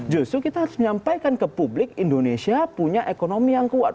justru kita harus menyampaikan ke publik indonesia punya ekonomi yang kuat